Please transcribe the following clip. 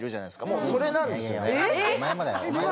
もうそれなんですよね。